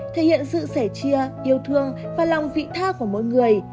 thể hiện sự sẻ chia yêu thương và lòng vị tha của mỗi người